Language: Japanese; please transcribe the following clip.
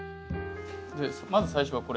まず最初はこれ。